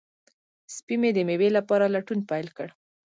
سپی مې د مېوې لپاره لټون پیل کړ.